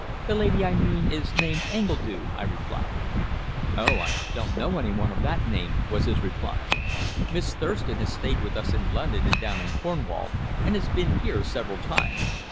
"The lady I mean is named Engledue," I replied. "Oh! I don't know anyone of that name," was his reply. "Miss Thurston has stayed with us in London and down in Cornwall, and has been here several times.